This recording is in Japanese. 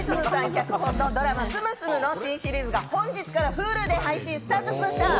脚本のドラマ『住住』の新シリーズが本日からＨｕｌｕで配信スタートしました。